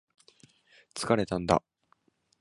疲れたんだ